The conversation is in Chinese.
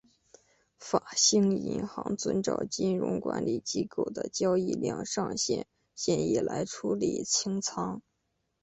法兴银行遵照金融管理机构的交易量上限建议来处理清仓。